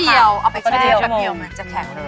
แป๊บเดียวเอาไปแช่แป๊บเดียวมันจะแข็งเลย